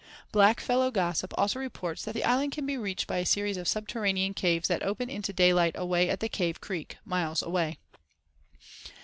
Black fellow gossip also reports that the island can be reached by a series of subterranean caves that open into daylight away at the Cave Creek, miles away.